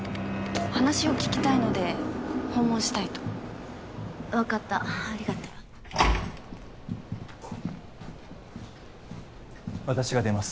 話を聞きたいので訪問したいと分かったありがとう私が出ます